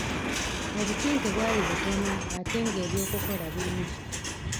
Obusente bwali butono ate nga eby'okukola bingi!